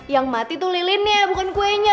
yang mati itu lilinnya bukan kuenya